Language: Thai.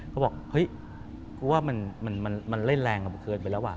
เขาบอกเฮ้ยกูว่ามันเล่นแรงกว่าเกินไปแล้วว่